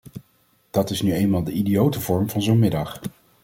Dat is nu eenmaal de idiote vorm van zo'n middag.